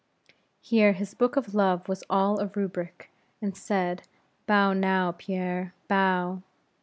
Here his book of Love was all a rubric, and said Bow now, Pierre, bow.